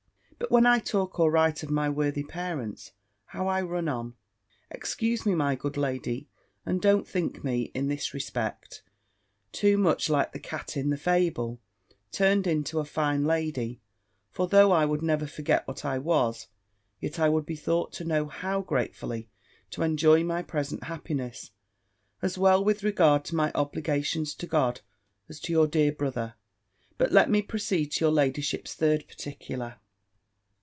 But when I talk or write of my worthy parents, how I run on! Excuse me, my good lady, and don't think me, in this respect, too much like the cat in the fable, turned into a fine lady; for though I would never forget what I was, yet I would be thought to know how gratefully to enjoy my present happiness, as well with regard to my obligations to God, as to your dear brother. But let me proceed to your ladyship's third particular.